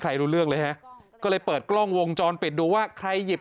รู้เรื่องเลยฮะก็เลยเปิดกล้องวงจรปิดดูว่าใครหยิบ